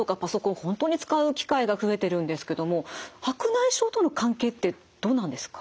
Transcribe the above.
本当に使う機会が増えてるんですけども白内障との関係ってどうなんですか？